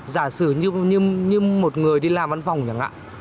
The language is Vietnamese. giả sử như một người đi làm văn phòng chẳng hạn